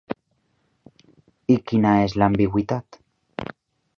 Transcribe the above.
I quina és l'ambigüitat?